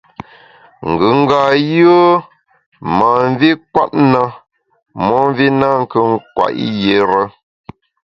Ngùnga yùe na mvi nkwet na, momvi nankù nkwet yire.